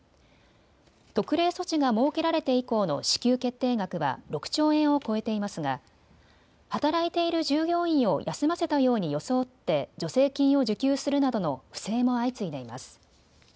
特例措置が設けられて以降の支給決定額は６兆円を超えていますが働いている従業員を休ませたように装って助成金を受給するなどの不正も相次いでいます。